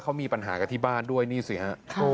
เขามีปัญหากับที่บ้านด้วยนี่สิฮะ